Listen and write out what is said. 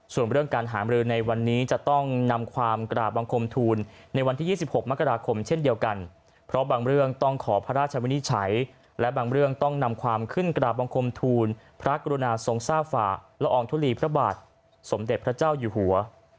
ส่วนเรื่องการหามรือในวันนี้จะต้องนำความกราบบังคมทูลในวันที่๒๖มกราคมเช่นเดียวกันเพราะบางเรื่องต้องขอพระราชวินิจฉัยและบางเรื่องต้องนำความขึ้นกราบบังคมทูลพระกรุณาทรงทราบฝ่าละอองทุลีพระบาทสมเด็จพระเจ้าอยู่หัว